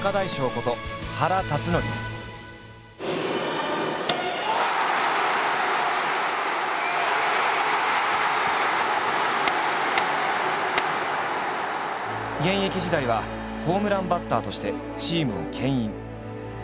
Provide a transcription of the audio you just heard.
こと現役時代はホームランバッターとしてチームをけん引。